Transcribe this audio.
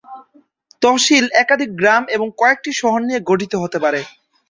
তহশিল একাধিক গ্রাম এবং কয়েকটি শহর নিয়ে গঠিত হতে পারে।